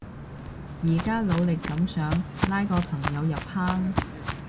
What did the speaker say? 而家努力噉想拉個朋友入坑